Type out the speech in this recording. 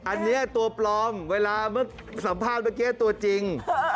อันนี้ตัวปลอมเวลาเมื่อสัมภาษณ์เมื่อกี้ตัวจริง